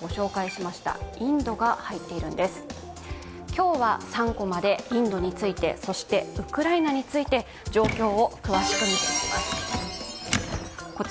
今日は３コマでインドについて、そして、ウクライナについて状況を詳しく見ていきます。